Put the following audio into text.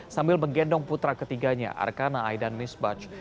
sambil menggendong putra ketiganya arkana aidan misbach